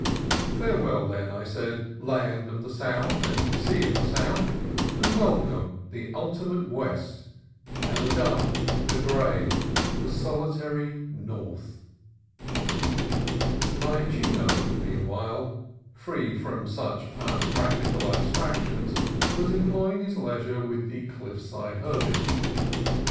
Farewell, then, I said, land of the South and sea of the South ; and welcome the ultimate West, and the dark, the gray, the soli tary North. My Chino, meanwhile, free from such unpracti THE MALIBU : NO TRESPASSING 61 cal abstractions, was employing his leisure with the cliffside herbage.